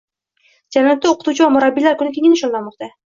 Janubda o‘qituvchi va murabbiylar kuni keng nishonlanmoqda